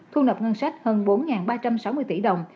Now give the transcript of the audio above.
thu nộp ngân sách hơn bốn ba trăm sáu mươi tỷ đồng